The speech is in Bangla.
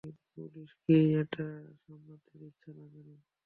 পুলিশকেই এটা সামলাতে দিচ্ছ না কেন?